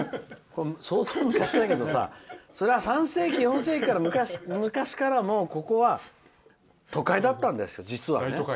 相当、昔だけど３世紀、４世紀の昔からもここは都会だったんですよ実は。